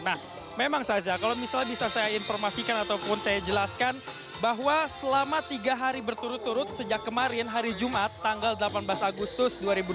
nah memang saza kalau misalnya bisa saya informasikan ataupun saya jelaskan bahwa selama tiga hari berturut turut sejak kemarin hari jumat tanggal delapan belas agustus dua ribu dua puluh